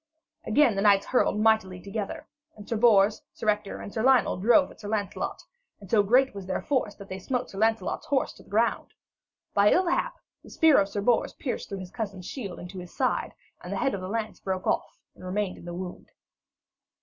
Again the knights hurtled mightily together, and Sir Bors, Sir Ector, and Sir Lionel drove at Sir Lancelot, and so great was their force that they smote Sir Lancelot's horse to the ground. By ill hap, the spear of Sir Bors pierced through his cousin's shield into his side, and the head of the lance broke off and remained in the wound.